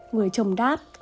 người chồng đáp